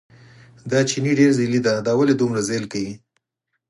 دا چیني ډېر ځېلی دی، دا ولې دومره ځېل کوي.